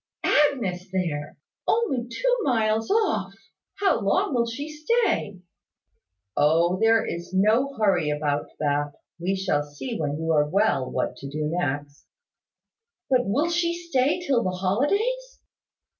"Agnes there! Only two miles off! How long will she stay?" "O, there is no hurry about that. We shall see when you are well what to do next." "But will she stay till the holidays?"